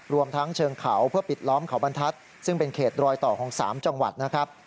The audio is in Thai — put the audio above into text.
รวมทั้งเชิงเขาเพื่อปิดล้อมเขาบรรทัศน์ซึ่งเป็นเขตรอยต่อของ๓จังหวัดนะครับ